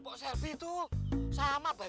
ya jangan tanya saya kapan